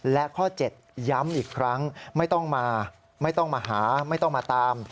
และข้อ๗ย้ำอีกครั้งไม่ต้องมาไม่ต้องมาหาไม่ต้องมาตาม